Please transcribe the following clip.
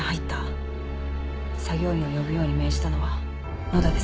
作業員を呼ぶように命じたのは野立さんでした。